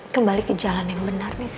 kembali ke jalan yang benar nih